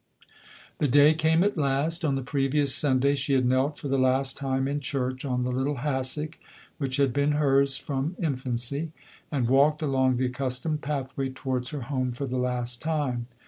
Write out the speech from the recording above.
The day came at last. On the previous Sun day she had knelt for the last time in church on the little hassock which had been her's from in fancy, and walked along the accustomed path way towards her home for the last time.